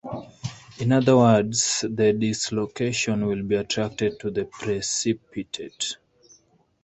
In other words, the dislocation will be attracted to the precipitate.